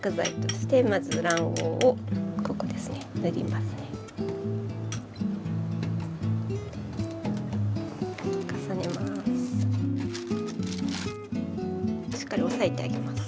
しっかり押さえてあげます。